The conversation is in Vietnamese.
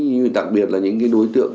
như đặc biệt là những đối tượng